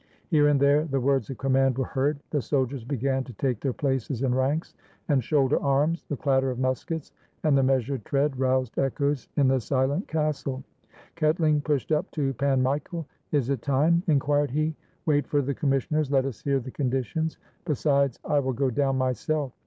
Here and there the words of command were heard. The soldiers began to take their places in ranks, and shoulder arms. The clatter of muskets and the meas ured tread roused echoes in the silent castle. Ketling pushed up to Pan Michael. "Is it time?" inquired he. "Wait for the commissioners; let us hear the condi tions! Besides, I will go down m.yself."